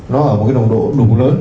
nó ở một cái nồng độ đủ lớn